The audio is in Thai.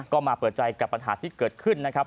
ก็มาเปิดใจกับปัญหาที่เกิดขึ้นนะครับ